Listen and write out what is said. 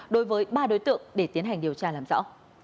đối với ba đối tượng để tiến hành điều tra làm rõ